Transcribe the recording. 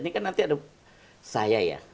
ini kan nanti ada saya ya